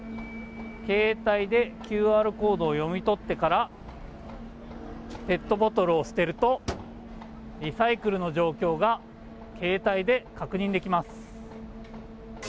携帯でＱＲコードを読み取ってからペットボトルを捨てるとリサイクルの状況が携帯で確認できます。